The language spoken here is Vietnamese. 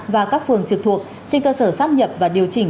và các phường trực thuộc trên cơ sở sắp nhập và điều chỉnh